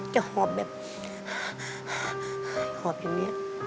จะหอบแบบหอบอย่างเนี่ย